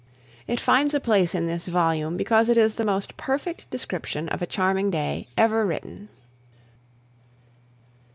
It finds a place in this volume because it is the most perfect description of a charming day ever written.